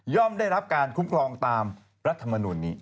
ได้รับการคุ้มครองตามรัฐมนุนนี้